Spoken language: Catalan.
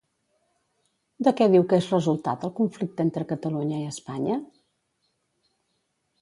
De què diu que és resultat el conflicte entre Catalunya i Espanya?